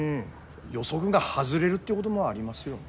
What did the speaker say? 予測が外れるってごどもありますよね？